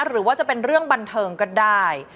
หรือว่าจะเป็นเรื่องบันเทิงก็ได้